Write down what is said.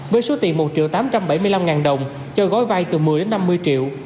với số tiền một tám trăm bảy mươi năm đồng cho gói vai từ một mươi năm mươi triệu